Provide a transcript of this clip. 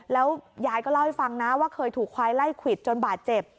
แล้วยายก็เล่าให้ฟังนะว่าเคยถูกควายไล่ควิดจนบาดเจ็บ